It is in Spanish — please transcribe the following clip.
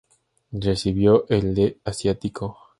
Recibió el de "Asiático".